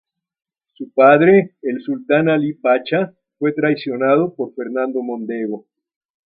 Su padre, el sultán Alí Pacha fue traicionado por Fernando Mondego.